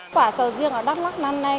quả sầu riêng ở đắk lắk năm nay